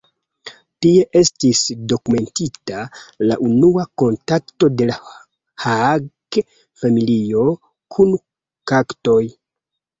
Tie estis dokumentita la unua kontakto de la Haage-familio kun kaktoj.